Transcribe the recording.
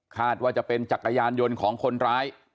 ว่าจะเป็นจักรยานยนต์ของคนร้าย